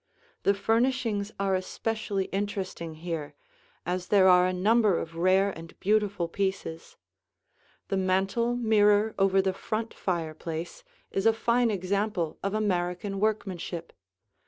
The furnishings are especially interesting here, as there are a number of rare and beautiful pieces. The mantel mirror over the front fireplace is a fine example of American workmanship.